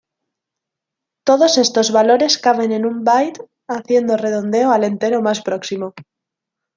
Todos estos valores caben en un byte haciendo redondeo al entero más próximo.